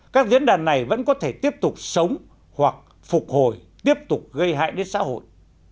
các diễn đàn này vẫn có thể tiếp tục sống hoặc phục hồi tiếp tục gây hại đến xã hội